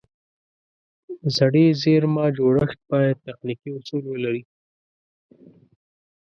د سړې زېرمه جوړښت باید تخنیکي اصول ولري.